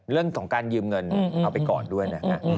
เรื่องของการยืมเงินเอาไปก่อนด้วยนะฮะ